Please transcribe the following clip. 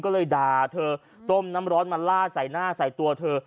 ก็เลยด่าเธอต้มน้ำร้อนมาล่าใส่หน้าใส่ตัวเธอ